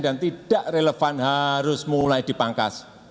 dan tidak relevan harus mulai dipangkas